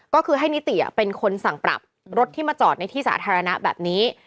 ก็คือให้นิติเป็นคนสั่งปรับรถที่มาจอดในที่สาธารณะแบบนี้